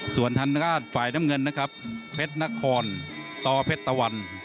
ส่วนทางด้านฝ่ายน้ำเงินนะครับเพชรนครต่อเพชรตะวัน